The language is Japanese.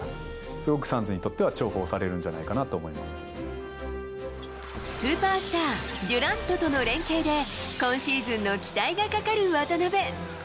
すごくサンズにとっては重宝されスーパースター、デュラントとの連係で、今シーズンの期待がかかる渡邊。